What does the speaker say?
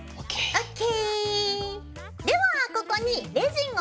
ＯＫ。